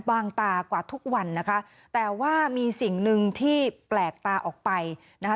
บางตากว่าทุกวันนะคะแต่ว่ามีสิ่งหนึ่งที่แปลกตาออกไปนะคะ